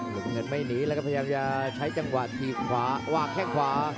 ลุงเงินไม่หนีแล้วก็พยายามจะใช้จังหวัดทีขวาวากแข้งขวา